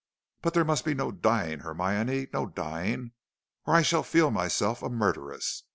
But there must be no dying, Hermione, no dying, or I shall feel myself a murderess.